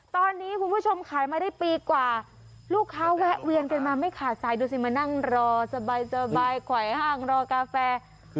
ตอนนี้คุณผู้ชมขายมาได้ปีกว่าลูกค้าแวะเวียนกันมาไม่ขาดสายดูสิมานั่งรอสบายไขว่ห้างรอกาแฟ